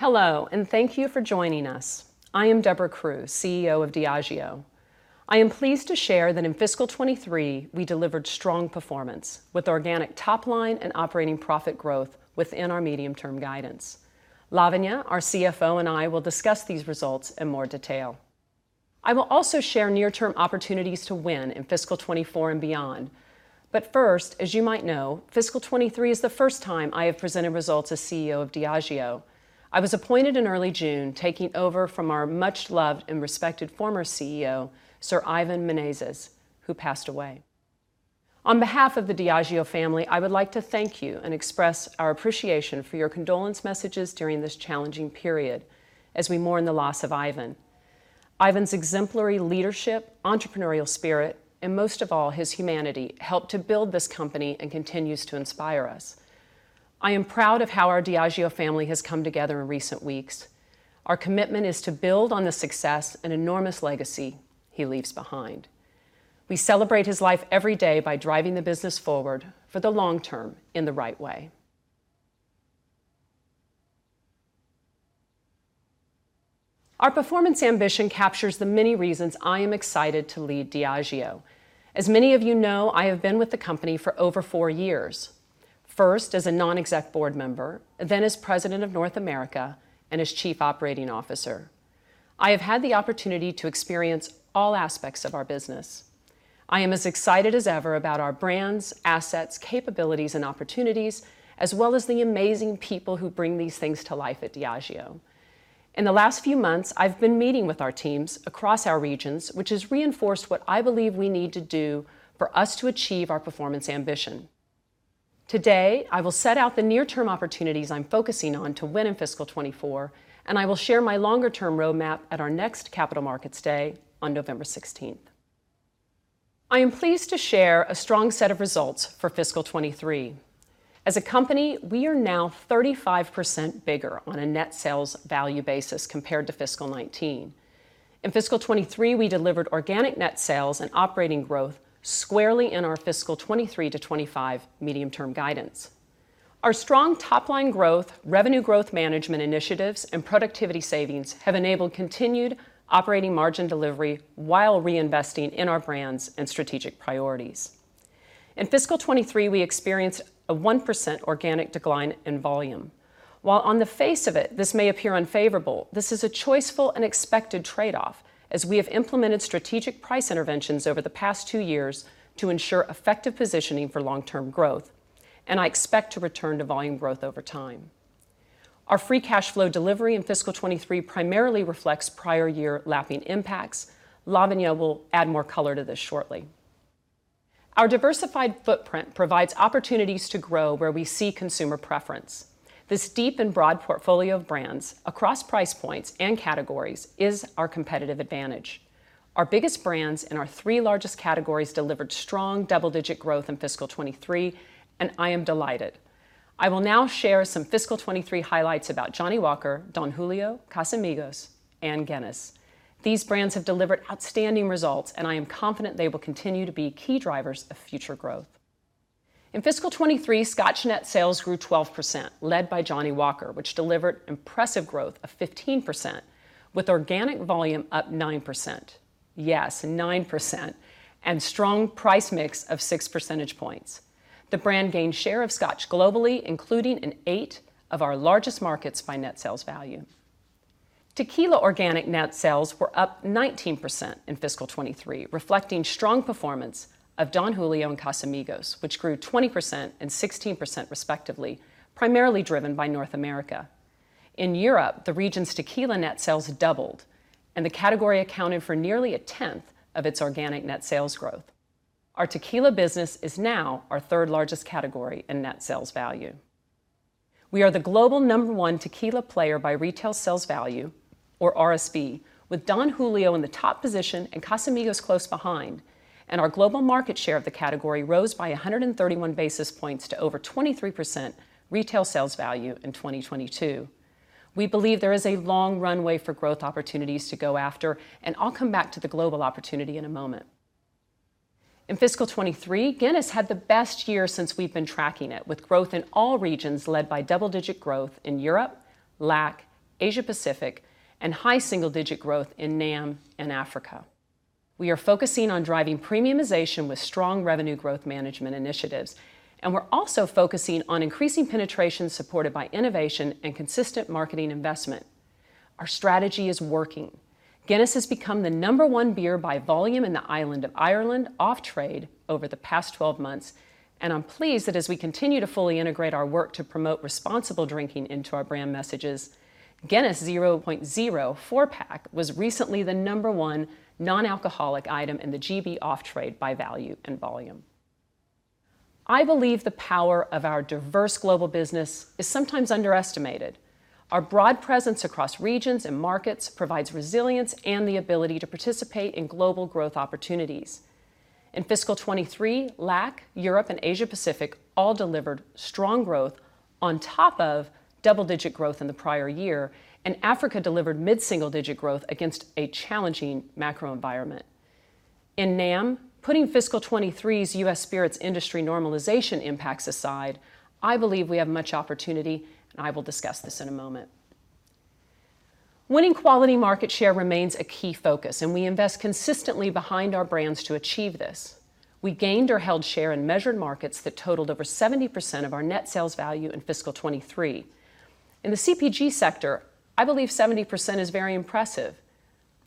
Hello, thank you for joining us. I am Debra Crew, CEO of Diageo. I am pleased to share that in fiscal 2023, we delivered strong performance, with organic top line and operating profit growth within our medium-term guidance. Lavanya, our CFO, and I will discuss these results in more detail. I will also share near-term opportunities to win in fiscal 2024 and beyond. First, as you might know, fiscal 2023 is the first time I have presented results as CEO of Diageo. I was appointed in early June, taking over from our much-loved and respected former CEO, Sir Ivan Menezes, who passed away. On behalf of the Diageo family, I would like to thank you and express our appreciation for your condolence messages during this challenging period as we mourn the loss of Ivan. Ivan's exemplary leadership, entrepreneurial spirit, and most of all, his humanity, helped to build this company and continues to inspire us. I am proud of how our Diageo family has come together in recent weeks. Our commitment is to build on the success and enormous legacy he leaves behind. We celebrate his life every day by driving the business forward for the long term in the right way. Our performance ambition captures the many reasons I am excited to lead Diageo. As many of you know, I have been with the company for over four years, first as a non-exec board member, then as president of North America and as chief operating officer. I have had the opportunity to experience all aspects of our business. I am as excited as ever about our brands, assets, capabilities, and opportunities, as well as the amazing people who bring these things to life at Diageo. In the last few months, I've been meeting with our teams across our regions, which has reinforced what I believe we need to do for us to achieve our performance ambition. Today, I will set out the near-term opportunities I'm focusing on to win in fiscal 2024, and I will share my longer-term roadmap at our next Capital Markets Day on November 16th. I am pleased to share a strong set of results for fiscal 2023. As a company, we are now 35% bigger on a net sales value basis compared to fiscal 2019. In fiscal 2023, we delivered organic net sales and operating growth squarely in our fiscal 2023-2025 medium-term guidance. Our strong top-line growth, revenue growth management initiatives, and productivity savings have enabled continued operating margin delivery while reinvesting in our brands and strategic priorities. In fiscal 2023, we experienced a 1% organic decline in volume. While on the face of it, this may appear unfavorable, this is a choiceful and expected trade-off as we have implemented strategic price interventions over the past 2 years to ensure effective positioning for long-term growth, and I expect to return to volume growth over time. Our free cash flow delivery in fiscal 2023 primarily reflects prior year lapping impacts. Lavanya will add more color to this shortly. Our diversified footprint provides opportunities to grow where we see consumer preference. This deep and broad portfolio of brands across price points and categories is our competitive advantage. Our biggest brands in our 3 largest categories delivered strong double-digit growth in fiscal 23, and I am delighted. I will now share some fiscal 23 highlights about Johnnie Walker, Don Julio, Casamigos, and Guinness. These brands have delivered outstanding results, and I am confident they will continue to be key drivers of future growth. In fiscal 23, Scotch net sales grew 12%, led by Johnnie Walker, which delivered impressive growth of 15%, with organic volume up 9%. Yes, 9%, and strong price mix of 6 percentage points. The brand gained share of Scotch globally, including in 8 of our largest markets by net sales value. Tequila organic net sales were up 19% in fiscal 23, reflecting strong performance of Don Julio and Casamigos, which grew 20% and 16% respectively, primarily driven by North America. In Europe, the region's tequila net sales doubled, and the category accounted for nearly a 10th of its organic net sales growth. Our tequila business is now our 3rd-largest category in net sales value. We are the global number 1 tequila player by retail sales value, or RSV, with Don Julio in the top position and Casamigos close behind. Our global market share of the category rose by 131 basis points to over 23% retail sales value in 2022. We believe there is a long runway for growth opportunities to go after, and I'll come back to the global opportunity in a moment. In fiscal 2023, Guinness had the best year since we've been tracking it, with growth in all regions led by double-digit growth in Europe, LAC, Asia Pacific, and high single-digit growth in NAM and Africa. We are focusing on driving premiumization with strong revenue growth management initiatives, and we're also focusing on increasing penetration supported by innovation and consistent marketing investment. Our strategy is working. Guinness has become the number 1 beer by volume in the island of Ireland off-trade over the past 12 months, and I'm pleased that as we continue to fully integrate our work to promote responsible drinking into our brand messages, Guinness 0.0 four-pack was recently the number 1 non-alcoholic item in the GB off-trade by value and volume. I believe the power of our diverse global business is sometimes underestimated. Our broad presence across regions and markets provides resilience and the ability to participate in global growth opportunities. In fiscal 2023, LAC, Europe, and Asia Pacific all delivered strong growth on top of double-digit growth in the prior year. Africa delivered mid-single-digit growth against a challenging macro environment. In NAM, putting fiscal 2023's US Spirits industry normalization impacts aside, I believe we have much opportunity. I will discuss this in a moment. Winning quality market share remains a key focus. We invest consistently behind our brands to achieve this. We gained or held share in measured markets that totaled over 70% of our net sales value in fiscal 2023. In the CPG sector, I believe 70% is very impressive,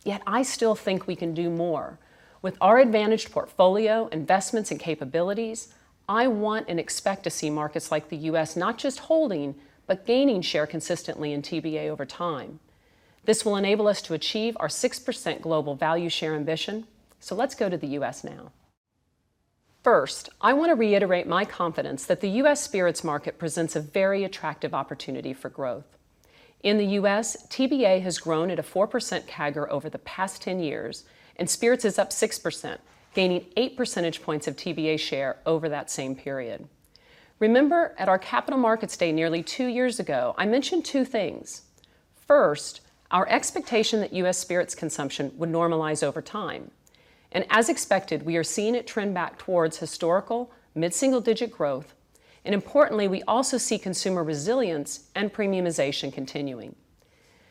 yet I still think we can do more. With our advantaged portfolio, investments, and capabilities, I want and expect to see markets like the US not just holding, but gaining share consistently in TBA over time. This will enable us to achieve our 6% global value share ambition. Let's go to the U.S. now. First, I want to reiterate my confidence that the U.S. Spirits market presents a very attractive opportunity for growth. In the U.S., TBA has grown at a 4% CAGR over the past 10 years, and Spirits is up 6%, gaining 8 percentage points of TBA share over that same period. Remember, at our Capital Markets Day, nearly 2 years ago, I mentioned 2 things. First, our expectation that U.S. Spirits consumption would normalize over time, and as expected, we are seeing it trend back towards historical mid-single-digit growth, and importantly, we also see consumer resilience and premiumization continuing.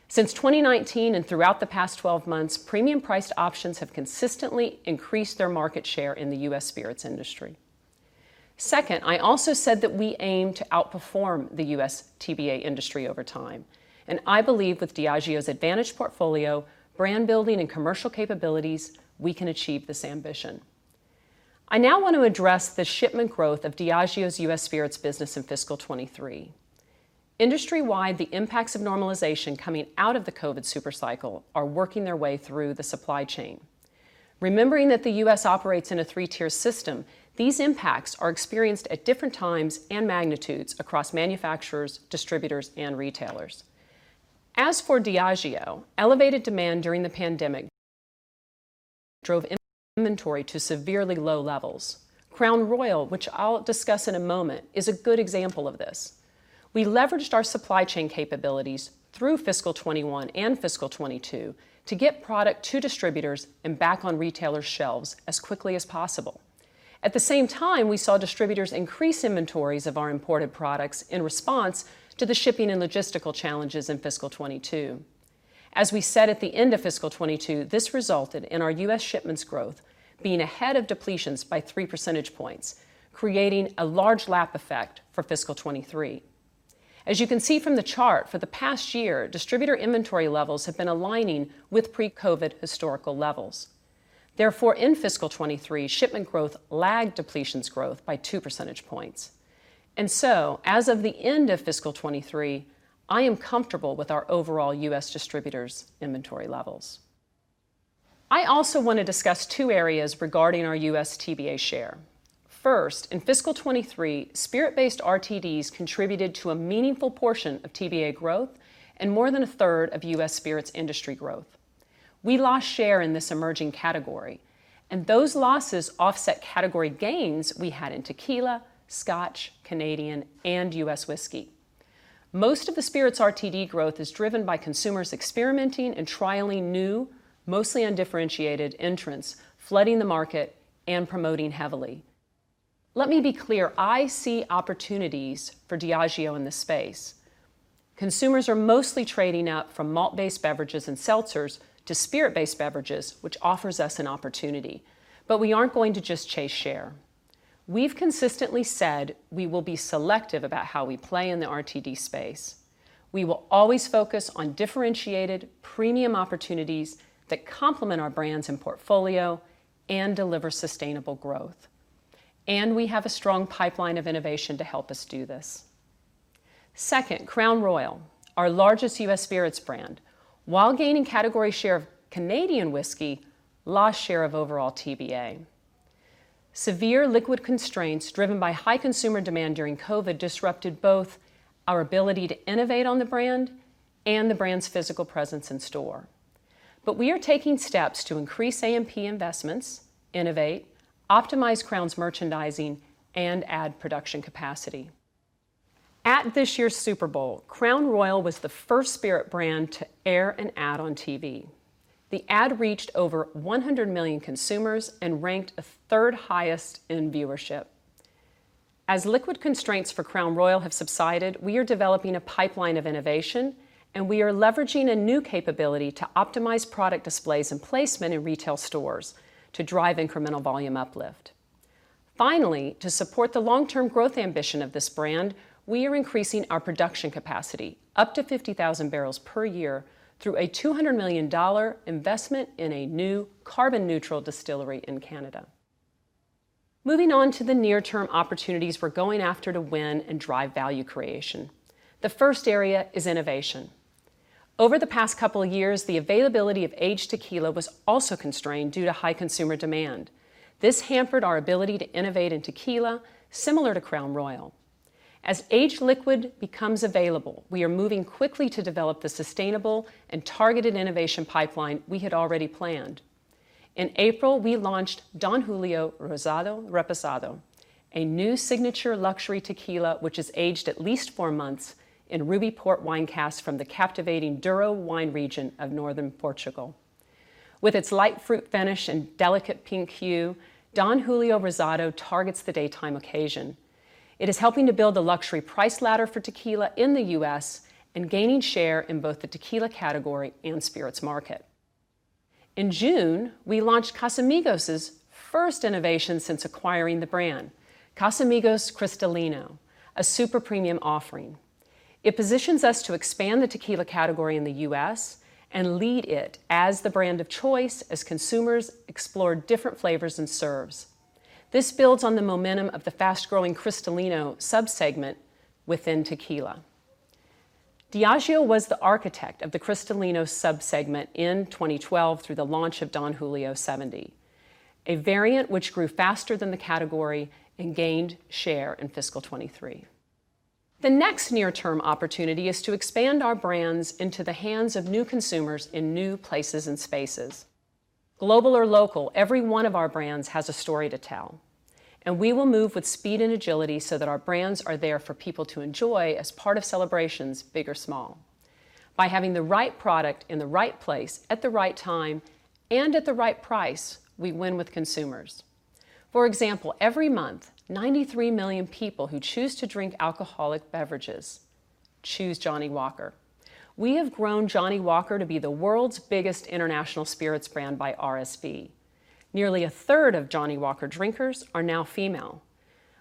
Since 2019 and throughout the past 12 months, premium-priced options have consistently increased their market share in the U.S. Spirits industry. Second, I also said that we aim to outperform the U.S. TBA industry over time, and I believe with Diageo's advantaged portfolio, brand building, and commercial capabilities, we can achieve this ambition. I now want to address the shipment growth of Diageo's U.S. Spirits business in fiscal 2023. Industry-wide, the impacts of normalization coming out of the COVID super cycle are working their way through the supply chain. Remembering that the U.S. operates in a three-tier system, these impacts are experienced at different times and magnitudes across manufacturers, distributors, and retailers. As for Diageo, elevated demand during the pandemic drove in-inventory to severely low levels. Crown Royal, which I'll discuss in a moment, is a good example of this. We leveraged our supply chain capabilities through fiscal 2021 and fiscal 2022 to get product to distributors and back on retailers' shelves as quickly as possible. At the same time, we saw distributors increase inventories of our imported products in response to the shipping and logistical challenges in fiscal 2022. As we said at the end of fiscal 2022, this resulted in our U.S. shipments growth being ahead of depletions by 3 percentage points, creating a large lap effect for fiscal 2023. As you can see from the chart, for the past year, distributor inventory levels have been aligning with pre-COVID historical levels. Therefore, in fiscal 2023, shipment growth lagged depletions growth by 2 percentage points. As of the end of fiscal 2023, I am comfortable with our overall U.S. distributors' inventory levels. I also want to discuss 2 areas regarding our U.S. TBA share. First, in fiscal 2023, Spirits RTDs contributed to a meaningful portion of TBA growth and more than a third of U.S. Spirits industry growth. We lost share in this emerging category, and those losses offset category gains we had in tequila, Scotch, Canadian, and US whiskey. Most of the Spirits RTD growth is driven by consumers experimenting and trialing new, mostly undifferentiated entrants, flooding the market and promoting heavily. Let me be clear, I see opportunities for Diageo in this space. Consumers are mostly trading up from malt-based beverages and seltzers to spirit-based beverages, which offers us an opportunity. We aren't going to just chase share. We've consistently said we will be selective about how we play in the RTD space. We will always focus on differentiated, premium opportunities that complement our brands and portfolio and deliver sustainable growth, and we have a strong pipeline of innovation to help us do this. Second, Crown Royal, our largest US Spirits brand, while gaining category share of Canadian whiskey, lost share of overall TBA. Severe liquid constraints driven by high consumer demand during COVID disrupted both our ability to innovate on the brand and the brand's physical presence in store. We are taking steps to increase AMP investments, innovate, optimize Crown's merchandising, and add production capacity. At this year's Super Bowl, Crown Royal was the first Spirit brand to air an ad on TV. The ad reached over 100 million consumers and ranked the 3rd highest in viewership. As liquid constraints for Crown Royal have subsided, we are developing a pipeline of innovation, and we are leveraging a new capability to optimize product displays and placement in retail stores to drive incremental volume uplift. Finally, to support the long-term growth ambition of this brand, we are increasing our production capacity up to 50,000 barrels per year through a $200 million investment in a new carbon-neutral distillery in Canada. Moving on to the near-term opportunities we're going after to win and drive value creation. The first area is innovation. Over the past couple of years, the availability of aged tequila was also constrained due to high consumer demand. This hampered our ability to innovate in tequila, similar to Crown Royal. As aged liquid becomes available, we are moving quickly to develop the sustainable and targeted innovation pipeline we had already planned. In April, we launched Don Julio Rosado Reposado. A new signature luxury tequila, which is aged at least 4 months in Ruby Port wine casks from the captivating Douro wine region of northern Portugal. With its light fruit finish and delicate pink hue, Don Julio Rosado targets the daytime occasion. It is helping to build the luxury price ladder for tequila in the US and gaining share in both the tequila category and spirits market. In June, we launched Casamigos' first innovation since acquiring the brand, Casamigos Cristalino, a super premium offering. It positions us to expand the tequila category in the US and lead it as the brand of choice as consumers explore different flavors and serves. This builds on the momentum of the fast-growing Cristalino sub-segment within tequila. Diageo was the architect of the Cristalino sub-segment in 2012 through the launch of Don Julio 70, a variant which grew faster than the category and gained share in fiscal 2023. The next near-term opportunity is to expand our brands into the hands of new consumers in new places and spaces. Global or local, every one of our brands has a story to tell, and we will move with speed and agility so that our brands are there for people to enjoy as part of celebrations, big or small. By having the right product in the right place at the right time and at the right price, we win with consumers. For example, every month, 93 million people who choose to drink alcoholic beverages choose Johnnie Walker. We have grown Johnnie Walker to be the world's biggest international spirits brand by RSV. Nearly a third of Johnnie Walker drinkers are now female.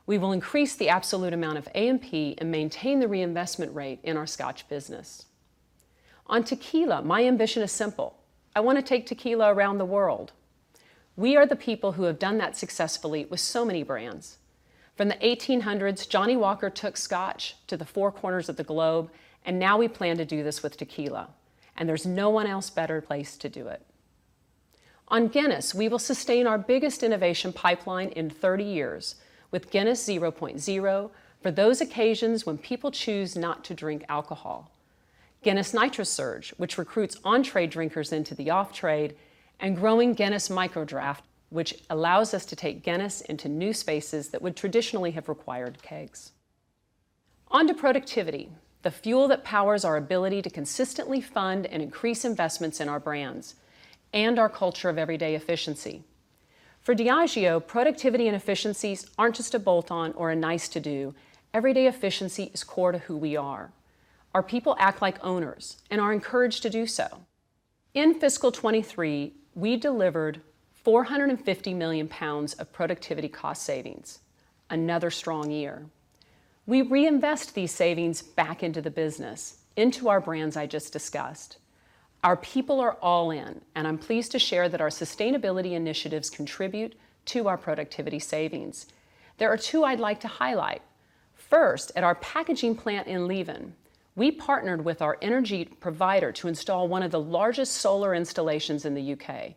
We will increase the absolute amount of AMP and maintain the reinvestment rate in our Scotch business. On tequila, my ambition is simple: I want to take tequila around the world. We are the people who have done that successfully with so many brands. From the 1800s, Johnnie Walker took Scotch to the four corners of the globe, and now we plan to do this with tequila, and there's no one else better placed to do it. On Guinness, we will sustain our biggest innovation pipeline in 30 years with Guinness 0.0 for those occasions when people choose not to drink alcohol, Guinness NitroSurge, which recruits on-trade drinkers into the off-trade, and growing Guinness MicroDraught, which allows us to take Guinness into new spaces that would traditionally have required kegs. On to productivity, the fuel that powers our ability to consistently fund and increase investments in our brands and our culture of everyday efficiency. For Diageo, productivity and efficiencies aren't just a bolt-on or a nice-to-do. Everyday efficiency is core to who we are. Our people act like owners and are encouraged to do so. In fiscal 2023, we delivered 450 million pounds of productivity cost savings, another strong year. We reinvest these savings back into the business, into our brands I just discussed. Our people are all in, and I'm pleased to share that our sustainability initiatives contribute to our productivity savings. There are two I'd like to highlight. First, at our packaging plant in Leven, we partnered with our energy provider to install one of the largest solar installations in the UK.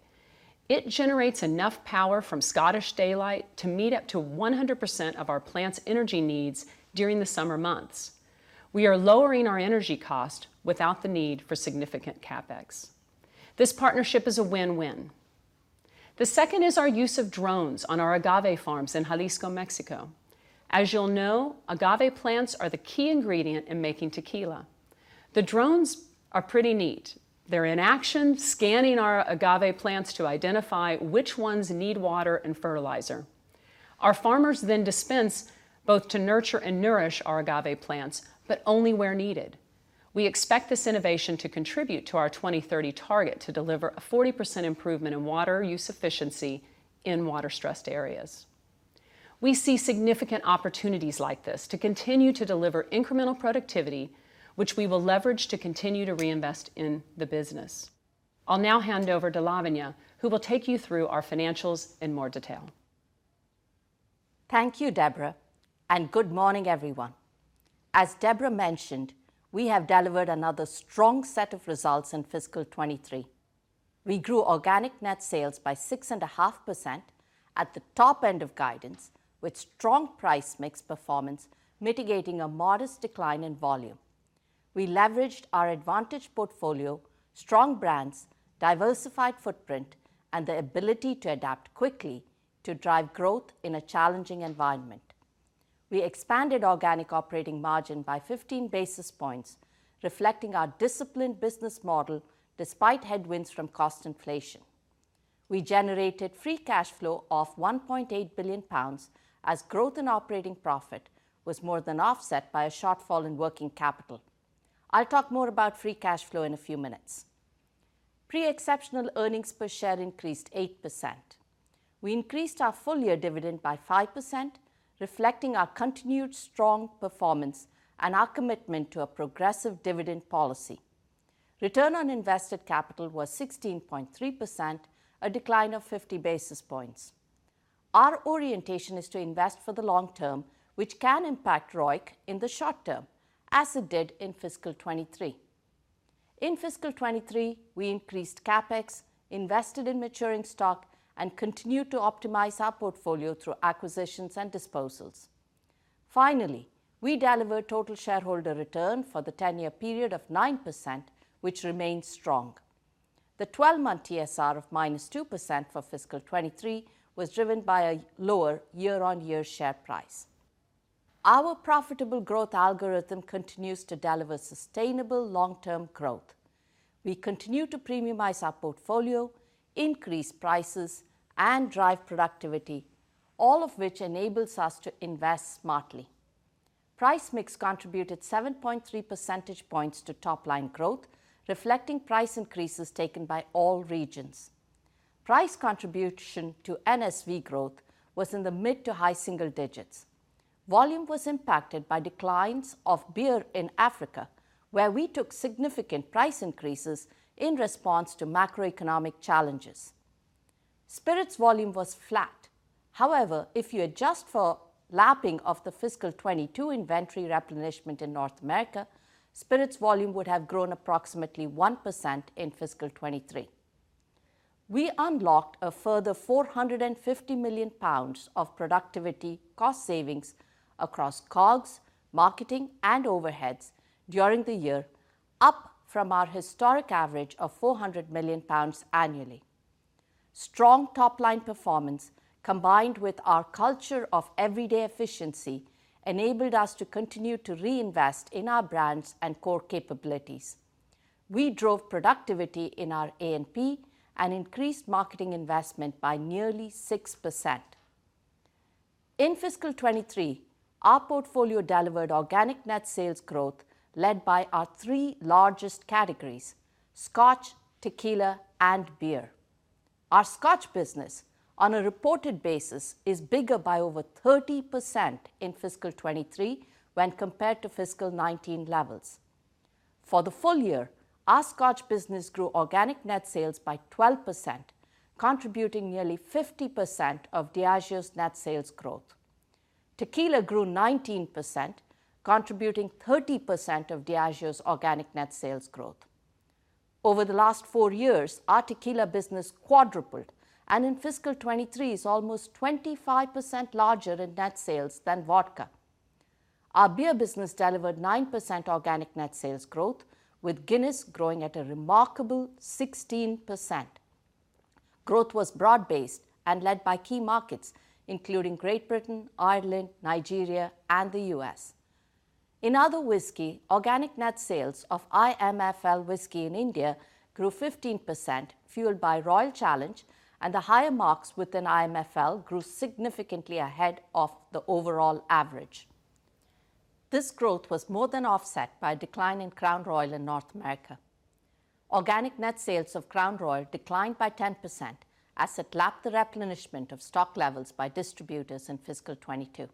It generates enough power from Scottish daylight to meet up to 100% of our plant's energy needs during the summer months. We are lowering our energy cost without the need for significant CapEx. This partnership is a win-win. The second is our use of drones on our agave farms in Jalisco, Mexico. As you'll know, agave plants are the key ingredient in making tequila. The drones are pretty neat. They're in action, scanning our agave plants to identify which ones need water and fertilizer. Our farmers dispense both to nurture and nourish our agave plants, but only where needed. We expect this innovation to contribute to our 2030 target to deliver a 40% improvement in water use efficiency in water-stressed areas. We see significant opportunities like this to continue to deliver incremental productivity, which we will leverage to continue to reinvest in the business. I'll now hand over to Lavanya, who will take you through our financials in more detail. Thank you, Debra. Good morning, everyone. As Debra mentioned, we have delivered another strong set of results in fiscal 2023. We grew organic net sales by 6.5% at the top end of guidance, with strong price mix performance mitigating a modest decline in volume. We leveraged our advantage portfolio, strong brands, diversified footprint, and the ability to adapt quickly to drive growth in a challenging environment. We expanded organic operating margin by 15 basis points, reflecting our disciplined business model despite headwinds from cost inflation. We generated free cash flow of 1.8 billion pounds, as growth in operating profit was more than offset by a shortfall in working capital. I'll talk more about free cash flow in a few minutes. Pre-exceptional earnings per share increased 8%. We increased our full-year dividend by 5%, reflecting our continued strong performance and our commitment to a progressive dividend policy. Return on invested capital was 16.3%, a decline of 50 basis points. Our orientation is to invest for the long term, which can impact ROIC in the short term, as it did in fiscal 2023. In fiscal 2023, we increased CapEx, invested in maturing stock, and continued to optimize our portfolio through acquisitions and disposals. Finally, we delivered total shareholder return for the 10-year period of 9%, which remains strong. The 12-month TSR of -2% for fiscal 2023 was driven by a lower year-on-year share price. Our profitable growth algorithm continues to deliver sustainable long-term growth. We continue to premiumize our portfolio, increase prices, and drive productivity, all of which enables us to invest smartly. Price mix contributed 7.3 percentage points to top-line growth, reflecting price increases taken by all regions. Price contribution to NSV growth was in the mid to high single digits. Volume was impacted by declines of beer in Africa, where we took significant price increases in response to macroeconomic challenges. Spirits volume was flat. However, if you adjust for lapping of the fiscal 2022 inventory replenishment in North America, spirits volume would have grown approximately 1% in fiscal 2023. We unlocked a further 450 million pounds of productivity cost savings across COGS, marketing, and overheads during the year, up from our historic average of 400 million pounds annually. Strong top-line performance, combined with our culture of everyday efficiency, enabled us to continue to reinvest in our brands and core capabilities. We drove productivity in our A&P and increased marketing investment by nearly 6%. In fiscal 23, our portfolio delivered organic net sales growth, led by our three largest categories: Scotch, tequila, and beer. Our Scotch business, on a reported basis, is bigger by over 30% in fiscal 23 when compared to fiscal 19 levels. For the full year, our Scotch business grew organic net sales by 12%, contributing nearly 50% of Diageo's net sales growth. Tequila grew 19%, contributing 30% of Diageo's organic net sales growth. Over the last 4 years, our tequila business quadrupled, and in fiscal 23 is almost 25% larger in net sales than vodka. Our beer business delivered 9% organic net sales growth, with Guinness growing at a remarkable 16%. Growth was broad-based and led by key markets, including Great Britain, Ireland, Nigeria, and the U.S. In other whiskey, organic net sales of IMFL whiskey in India grew 15%, fueled by Royal Challenge, and the higher marques within IMFL grew significantly ahead of the overall average. This growth was more than offset by a decline in Crown Royal in North America. Organic net sales of Crown Royal declined by 10% as it lapped the replenishment of stock levels by distributors in fiscal 2022.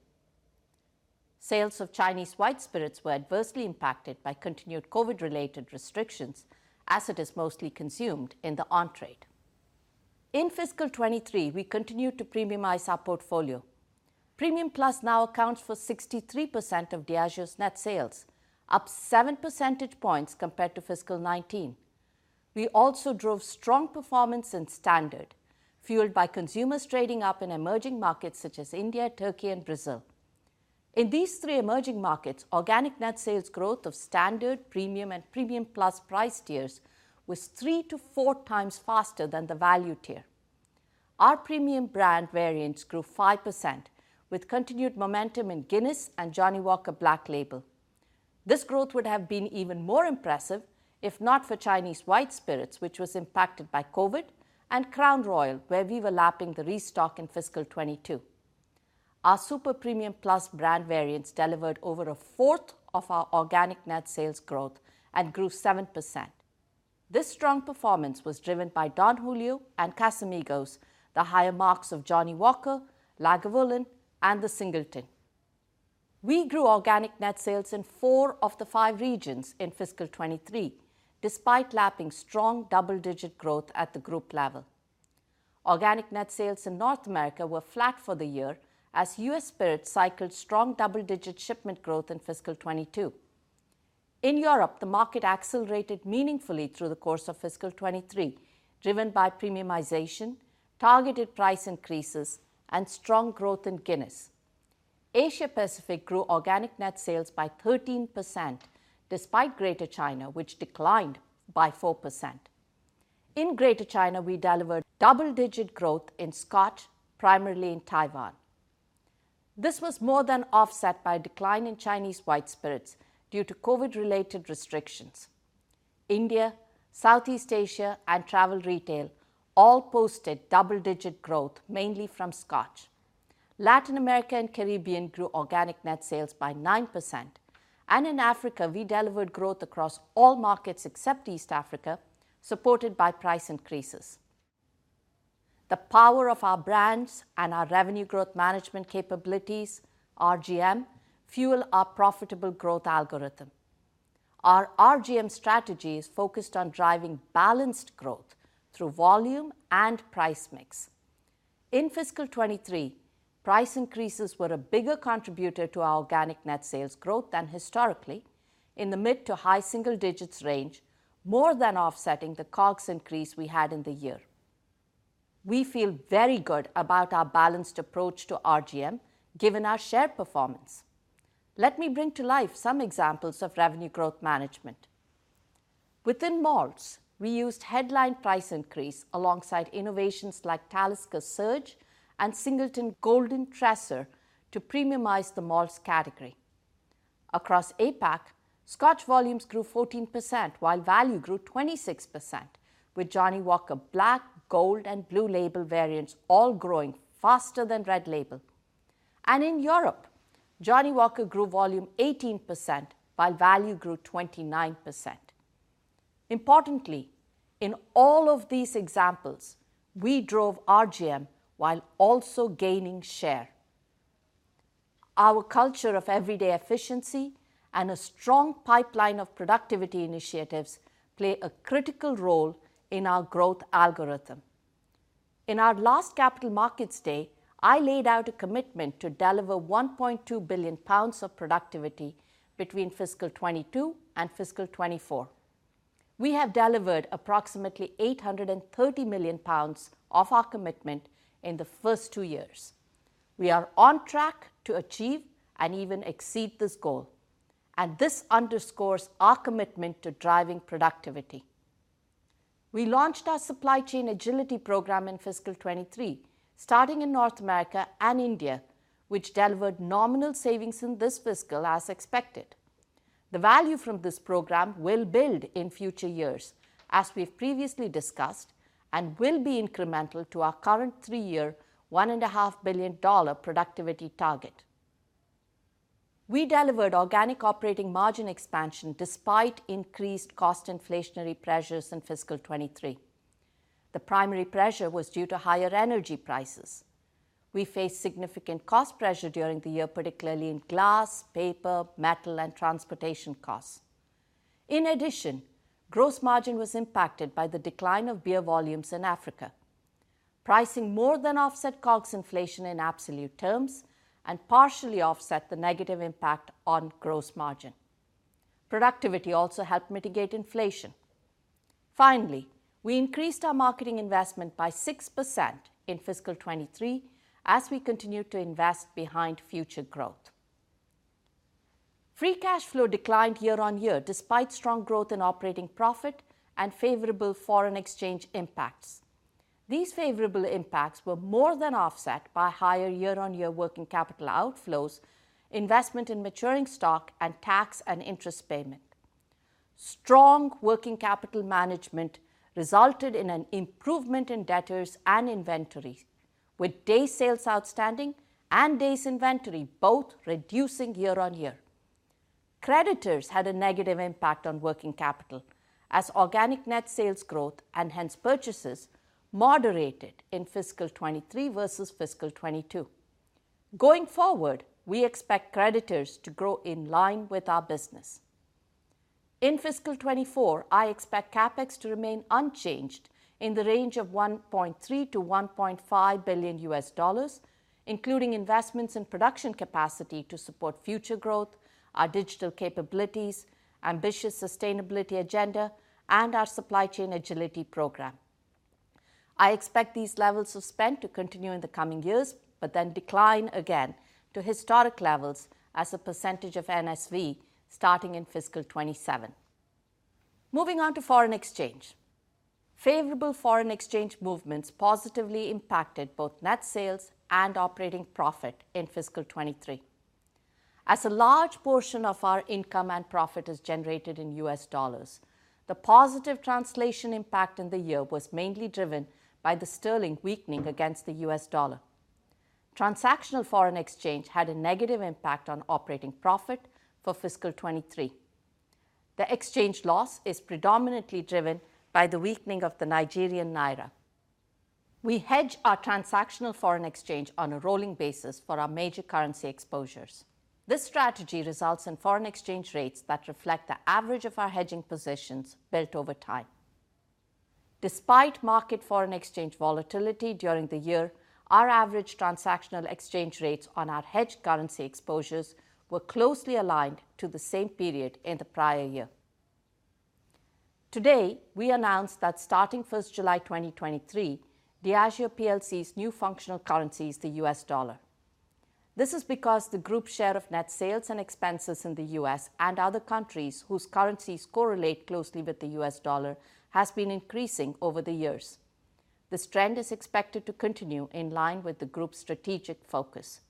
Sales of Chinese white spirits were adversely impacted by continued COVID-related restrictions, as it is mostly consumed in the on-trade. In fiscal 2023, we continued to premiumize our portfolio. Premium-plus now accounts for 63% of Diageo's net sales, up 7 percentage points compared to fiscal 2019. We also drove strong performance in standard, fueled by consumers trading up in emerging markets such as India, Turkey, and Brazil. In these 3 emerging markets, organic net sales growth of standard, premium, and Premium-plus price tiers was 3-4 times faster than the value tier. Our premium brand variants grew 5%, with continued momentum in Guinness and Johnnie Walker Black Label. This growth would have been even more impressive if not for Chinese white spirits, which was impacted by COVID, and Crown Royal, where we were lapping the restock in fiscal 2022. Our Super-premium-plus brand variants delivered over a fourth of our organic net sales growth and grew 7%. This strong performance was driven by Don Julio and Casamigos, the higher marques of Johnnie Walker, Lagavulin, and The Singleton. We grew organic net sales in 4 of the 5 regions in fiscal 2023, despite lapping strong double-digit growth at the group level. Organic net sales in North America were flat for the year as US Spirits cycled strong double-digit shipment growth in fiscal 2022. In Europe, the market accelerated meaningfully through the course of fiscal 2023, driven by premiumization, targeted price increases, and strong growth in Guinness. Asia Pacific grew organic net sales by 13%, despite Greater China, which declined by 4%. In Greater China, we delivered double-digit growth in Scotch, primarily in Taiwan. This was more than offset by a decline in Chinese white spirits due to COVID-related restrictions. India, Southeast Asia, and travel retail all posted double-digit growth, mainly from Scotch. Latin America and Caribbean grew organic net sales by 9%. In Africa, we delivered growth across all markets except East Africa, supported by price increases. The power of our brands and our revenue growth management capabilities, RGM, fuel our profitable growth algorithm. Our RGM strategy is focused on driving balanced growth through volume and price mix. In fiscal 23, price increases were a bigger contributor to our organic net sales growth than historically in the mid to high single digits range, more than offsetting the COGS increase we had in the year. We feel very good about our balanced approach to RGM, given our share performance. Let me bring to life some examples of revenue growth management. Within Malts, we used headline price increase alongside innovations like Talisker Surge and Singleton Golden Treasure to premiumize the Malts category. Across APAC, Scotch volumes grew 14%, while value grew 26%, with Johnnie Walker Black, Gold, and Blue Label variants all growing faster than Red Label. In Europe, Johnnie Walker grew volume 18%, while value grew 29%. Importantly, in all of these examples, we drove RGM while also gaining share. Our culture of everyday efficiency and a strong pipeline of productivity initiatives play a critical role in our growth algorithm. In our last Capital Markets Day, I laid out a commitment to deliver 1.2 billion pounds of productivity between fiscal 2022 and fiscal 2024. We have delivered approximately 830 million pounds of our commitment in the first two years. This underscores our commitment to driving productivity. We launched our supply chain agility program in fiscal 2023, starting in North America and India, which delivered nominal savings in this fiscal as expected. The value from this program will build in future years, as we've previously discussed, and will be incremental to our current three-year, $1.5 billion productivity target. We delivered organic operating margin expansion despite increased cost inflationary pressures in fiscal 2023. The primary pressure was due to higher energy prices. We faced significant cost pressure during the year, particularly in glass, paper, metal, and transportation costs. Gross margin was impacted by the decline of beer volumes in Africa. Pricing more than offset COGS inflation in absolute terms and partially offset the negative impact on gross margin. Productivity also helped mitigate inflation. Finally, we increased our marketing investment by 6% in fiscal 2023 as we continued to invest behind future growth. Free cash flow declined year-over-year, despite strong growth in operating profit and favorable foreign exchange impacts. These favorable impacts were more than offset by higher year-on-year working capital outflows, investment in maturing stock, and tax and interest payment. Strong working capital management resulted in an improvement in debtors and inventory, with day sales outstanding and days inventory both reducing year-on-year. Creditors had a negative impact on working capital as organic net sales growth, and hence purchases, moderated in fiscal 2023 versus fiscal 2022. Going forward, we expect creditors to grow in line with our business. In fiscal 2024, I expect CapEx to remain unchanged in the range of $1.3 billion-$1.5 billion, including investments in production capacity to support future growth, our digital capabilities, ambitious sustainability agenda, and our supply chain agility programme. I expect these levels of spend to continue in the coming years, but then decline again to historic levels as a percentage of NSV starting in fiscal 2027. Moving on to foreign exchange. Favourable foreign exchange movements positively impacted both net sales and operating profit in fiscal 2023. As a large portion of our income and profit is generated in US dollars, the positive translation impact in the year was mainly driven by the sterling weakening against the US dollar. Transactional foreign exchange had a negative impact on operating profit for fiscal 2023. The exchange loss is predominantly driven by the weakening of the Nigerian naira. We hedge our transactional foreign exchange on a rolling basis for our major currency exposures. This strategy results in foreign exchange rates that reflect the average of our hedging positions built over time. Despite market foreign exchange volatility during the year, our average transactional exchange rates on our hedged currency exposures were closely aligned to the same period in the prior year. Today, we announced that starting July 1, 2023, Diageo plc's new functional currency is the US dollar. This is because the group's share of net sales and expenses in the U.S. and other countries whose currencies correlate closely with the US dollar has been increasing over the years. This trend is expected to continue in line with the group's strategic focus.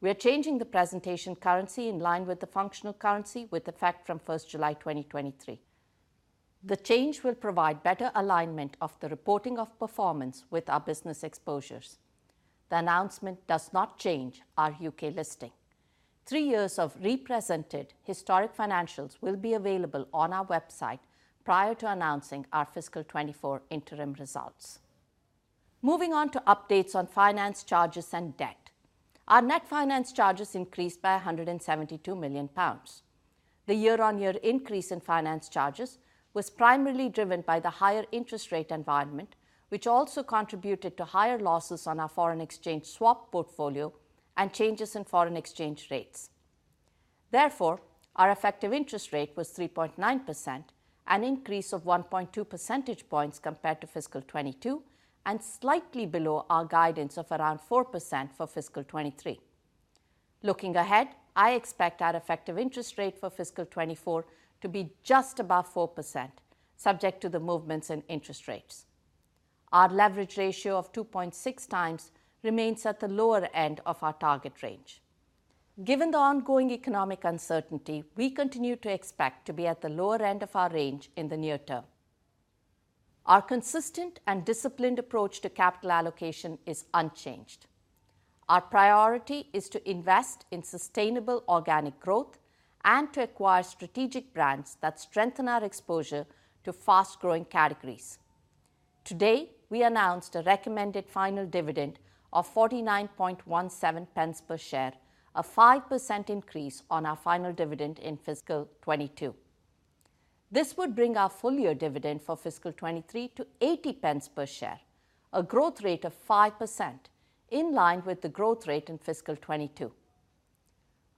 We are changing the presentation currency in line with the functional currency, with effect from July 1, 2023. The change will provide better alignment of the reporting of performance with our business exposures. The announcement does not change our U.K. listing. Three years of represented historic financials will be available on our website prior to announcing our fiscal 2024 interim results. Moving on to updates on finance charges and debt. Our net finance charges increased by 172 million pounds. The year-on-year increase in finance charges was primarily driven by the higher interest rate environment, which also contributed to higher losses on our foreign exchange swap portfolio and changes in foreign exchange rates. Therefore, our effective interest rate was 3.9%, an increase of 1.2 percentage points compared to fiscal 2022, and slightly below our guidance of around 4% for fiscal 2023. Looking ahead, I expect our effective interest rate for fiscal 2024 to be just above 4%, subject to the movements in interest rates. Our leverage ratio of 2.6x remains at the lower end of our target range. Given the ongoing economic uncertainty, we continue to expect to be at the lower end of our range in the near term. Our consistent and disciplined approach to capital allocation is unchanged. Our priority is to invest in sustainable organic growth and to acquire strategic brands that strengthen our exposure to fast-growing categories. Today, we announced a recommended final dividend of 49.17 pence per share, a 5% increase on our final dividend in fiscal 2022. This would bring our full-year dividend for fiscal 2023 to 80 pence per share, a growth rate of 5%, in line with the growth rate in fiscal 2022.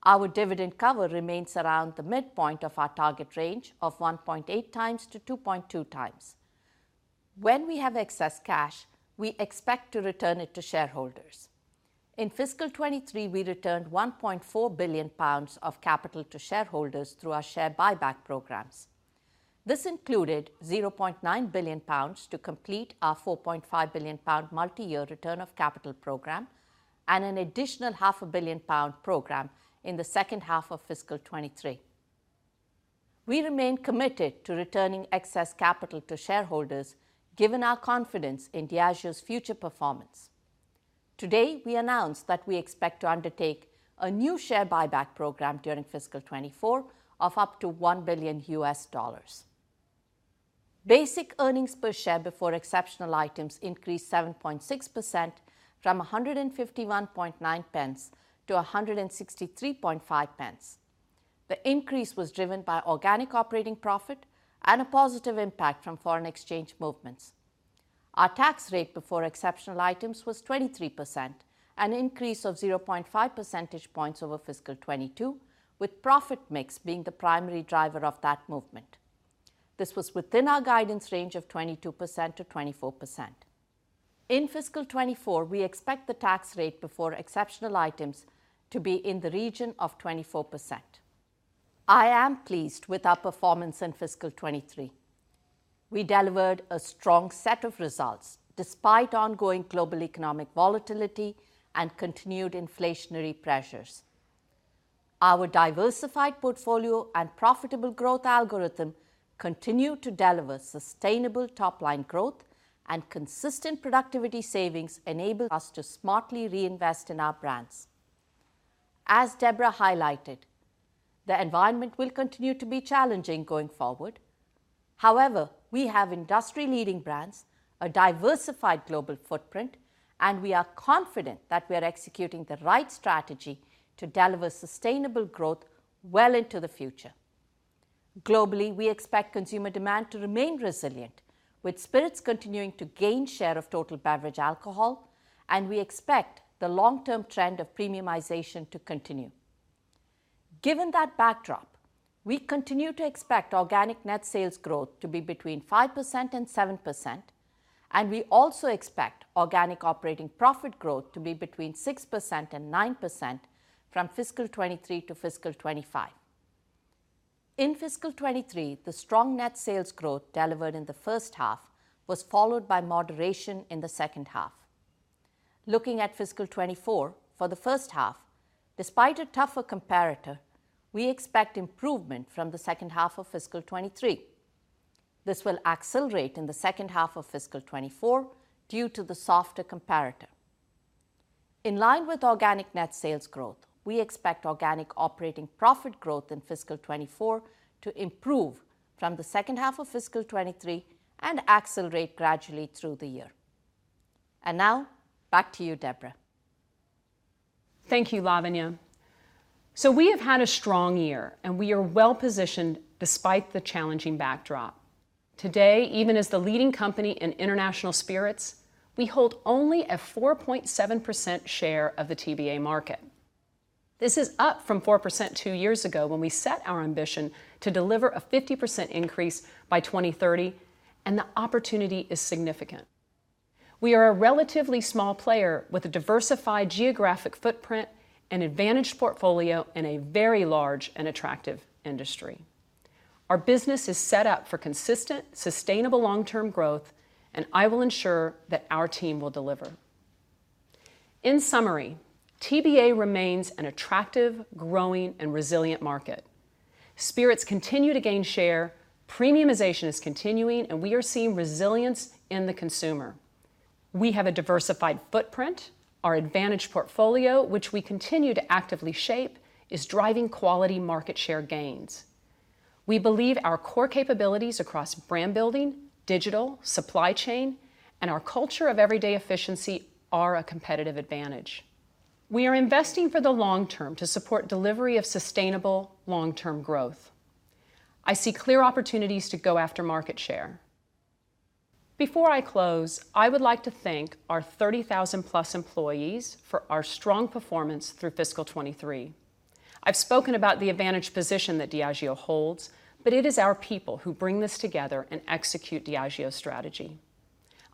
Our dividend cover remains around the midpoint of our target range of 1.8 times-2.2 times. When we have excess cash, we expect to return it to shareholders. In fiscal 2023, we returned 1.4 billion pounds of capital to shareholders through our share buyback programs. This included 0.9 billion pounds to complete our 4.5 billion pound multi-year return of capital program and an additional 0.5 billion pound program in the second half of fiscal 2023. We remain committed to returning excess capital to shareholders, given our confidence in Diageo's future performance. Today, we announced that we expect to undertake a new share buyback program during fiscal 2024 of up to $1 billion. Basic earnings per share before exceptional items increased 7.6% from 151.9 pence to 163.5 pence. The increase was driven by organic operating profit and a positive impact from foreign exchange movements. Our tax rate before exceptional items was 23%, an increase of 0.5 percentage points over fiscal 2022, with profit mix being the primary driver of that movement. This was within our guidance range of 22%-24%. In fiscal 24, we expect the tax rate before exceptional items to be in the region of 24%. I am pleased with our performance in fiscal 23. We delivered a strong set of results despite ongoing global economic volatility and continued inflationary pressures. Our diversified portfolio and profitable growth algorithm continue to deliver sustainable top-line growth, and consistent productivity savings enable us to smartly reinvest in our brands. As Debra highlighted, the environment will continue to be challenging going forward. However, we have industry-leading brands, a diversified global footprint, and we are confident that we are executing the right strategy to deliver sustainable growth well into the future. Globally, we expect consumer demand to remain resilient, with Spirits continuing to gain share of total beverage alcohol, and we expect the long-term trend of premiumisation to continue. Given that backdrop, we continue to expect organic net sales growth to be between 5% and 7%, and we also expect organic operating profit growth to be between 6% and 9% from fiscal 2023 to fiscal 2025. In fiscal 2023, the strong net sales growth delivered in the first half was followed by moderation in the second half. Looking at fiscal 2024, for the first half, despite a tougher comparator, we expect improvement from the second half of fiscal 2023. This will accelerate in the second half of fiscal 2024 due to the softer comparator. In line with organic net sales growth, we expect organic operating profit growth in fiscal 2024 to improve from the second half of fiscal 2023 and accelerate gradually through the year. Now, back to you, Debra. Thank you, Lavanya. We have had a strong year, and we are well-positioned despite the challenging backdrop. Today, even as the leading company in international Spirits, we hold only a 4.7% share of the TBA market. This is up from 4% two years ago when we set our ambition to deliver a 50% increase by 2030, and the opportunity is significant. We are a relatively small player with a diversified geographic footprint and advantaged portfolio in a very large and attractive industry. Our business is set up for consistent, sustainable long-term growth, and I will ensure that our team will deliver. In summary, TBA remains an attractive, growing, and resilient market. Spirits continue to gain share, premiumization is continuing, and we are seeing resilience in the consumer. We have a diversified footprint. Our advantaged portfolio, which we continue to actively shape, is driving quality market share gains. We believe our core capabilities across brand building, digital, supply chain, and our culture of everyday efficiency are a competitive advantage. We are investing for the long term to support delivery of sustainable long-term growth. I see clear opportunities to go after market share. Before I close, I would like to thank our 30,000-plus employees for our strong performance through fiscal 2023. I've spoken about the advantaged position that Diageo holds, but it is our people who bring this together and execute Diageo's strategy.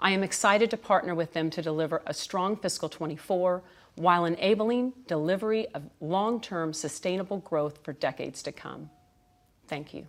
I am excited to partner with them to deliver a strong fiscal 2024 while enabling delivery of long-term sustainable growth for decades to come. Thank you.